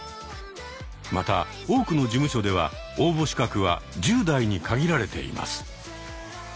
また多くの事務所では応募資格は１０代に限られています。